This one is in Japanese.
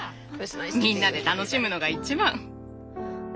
みんなで楽しむのが一番。